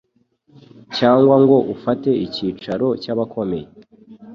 cyangwa ngo ufate icyicaro cy’abakomeye